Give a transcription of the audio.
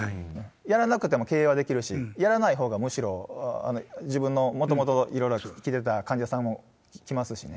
やらなくても経営はできるし、やらないほうがむしろ自分のもともといろいろ来てた患者さんも来ますしね。